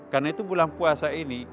karena itu bulan puasa ini